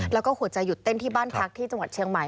แล้วก็หัวใจหยุดเต้นที่บ้านพักที่จังหวัดเชียงใหม่